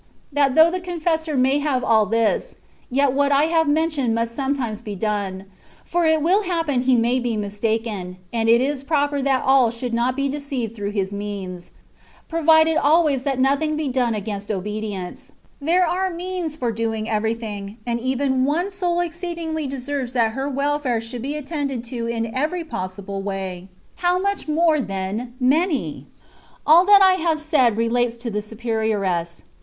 that though the confessor may have all this, yet what I have mentioned must sometimes be done ; for it will happen he may be mistaken, and it is proper that all should not be deceived through his means^ provided always that nothing be done against obedience ; there are means for doing everything, and even one soul exceedingly deserves that her welfare should be attended to in every possible way, how much more, then, many ! All that I have said relates to the superioress.